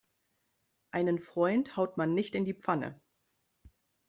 Einen Freund haut man nicht in die Pfanne.